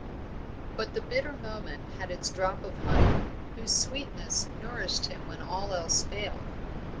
But the bitter moment had its drop of honey, whose sweetness nourished him when all else failed.